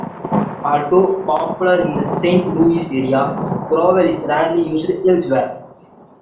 Although popular in the Saint Louis area, Provel is rarely used elsewhere.